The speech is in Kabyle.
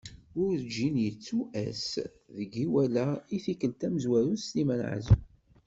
Werğin yettu ass deg iwala i tikelt tamezwarut Sliman Azem.